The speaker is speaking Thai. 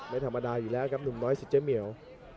ไม่ธรรมดาอยู่แล้วครับหนุ่มน้อยสิทเจ๊เหมียว